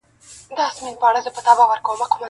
• سوی یم ایره سوم پروانې را پسي مه ګوره -